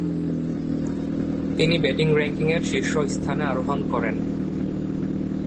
তিনি ব্যাটিং র্যাঙ্কিংয়ের শীর্ষস্থানে আরোহণ করেন।